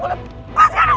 kalau aku terjatuh